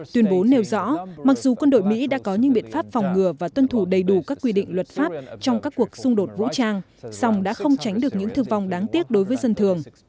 tuyên bố nêu rõ mặc dù quân đội mỹ đã có những biện pháp phòng ngừa và tuân thủ đầy đủ các quy định luật pháp trong các cuộc xung đột vũ trang song đã không tránh được những thương vong đáng tiếc đối với dân thường